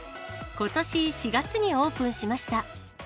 ことし４月にオープンしました。